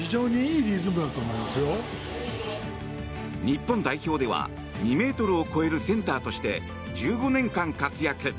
日本代表では２ｍを超えるセンターとして１５年間活躍。